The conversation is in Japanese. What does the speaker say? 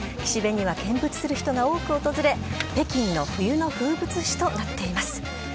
岸辺には見物する人が多く訪れ、北京の冬の風物詩となっています。